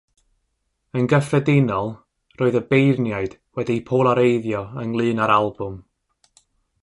Yn gyffredinol, roedd y beirniaid wedi'u polareiddio ynglŷn a'r albwm.